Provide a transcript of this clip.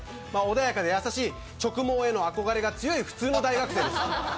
穏やかで優しい直毛への憧れが強い普通の大学生です。